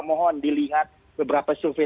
mohon dilihat beberapa survei